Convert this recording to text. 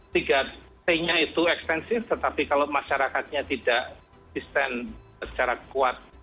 tiga t nya itu ekstensif tetapi kalau masyarakatnya tidak disisten secara kuat